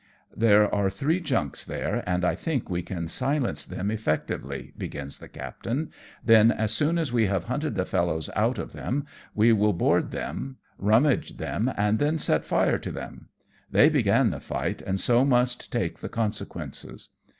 '' "There are three junks there, and I think we can WE DESTROY THE PIRATE JUNKS. 35 silence them effectively," begins the captain ;" then as soon as we have hunted the fellows out of them, we will board them, rummage them, and then set fire to them. They began the fight and so must take the consequences.